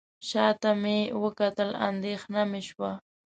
شاته مې وکتل اندېښنه مې شوه.